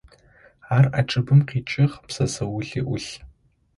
Ар ӏэкӏыбым къикӏыгъ, бзэ заули ӏулъ.